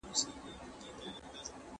که کار وکړو، بریالي کيږو.